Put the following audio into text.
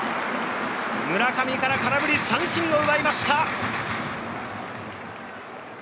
村上から空振り三振を奪いました。